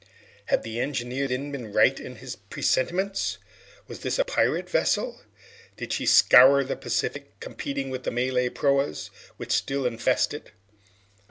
Had the engineer, then, been right in his presentiments? Was this a pirate vessel? Did she scour the Pacific, competing with the Malay proas which still infest it?